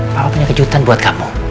mama punya kejutan buat kamu